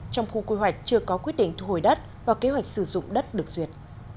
trong khu quy hoạch chưa có quyết định thu hồi đất và kế hoạch sử dụng đất được duyệt